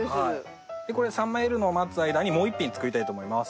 でこれ冷めるのを待つ間にもう一品作りたいと思います。